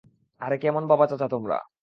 আরে কেমন বাবা- চাচা তোমরা?